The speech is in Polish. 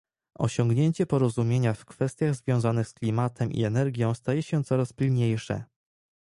Osiągnięcie porozumienia w kwestiach związanych z klimatem i energią staje się coraz pilniejsze